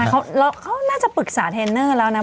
แต่เขาน่าจะปรึกษาเทรนเนอร์แล้วนะ